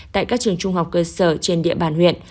tại các trường trung học cơ sở trên địa bàn huyện